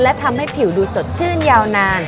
และทำให้ผิวดูสดชื่นยาวนาน